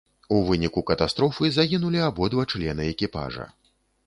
У выніку катастрофы загінулі абодва члены экіпажа.